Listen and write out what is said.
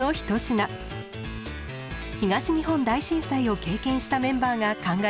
東日本大震災を経験したメンバーが考え出しました。